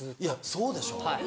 そうでしょ？